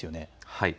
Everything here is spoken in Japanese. はい。